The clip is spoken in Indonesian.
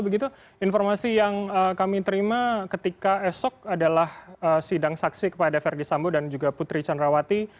begitu informasi yang kami terima ketika esok adalah sidang saksi kepada verdi sambo dan juga putri candrawati